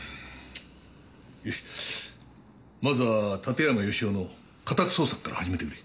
よしまずは館山義男の家宅捜索から始めてくれ。